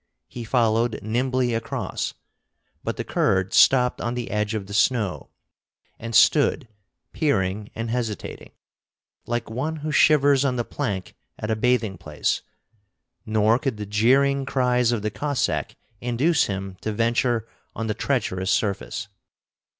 He followed nimbly across; but the Kurd stopped on the edge of the snow, and stood peering and hesitating, like one who shivers on the plank at a bathing place, nor could the jeering cries of the Cossack induce him to venture on the treacherous surface.